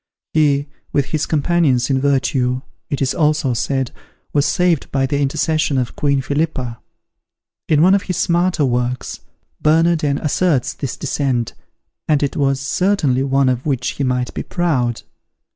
He, with his companions in virtue, it is also said, was saved by the intercession of Queen Philippa. In one of his smaller works, Bernardin asserts this descent, and it was certainly one of which he might be proud.